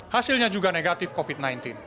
hasilnya juga negatif covid sembilan belas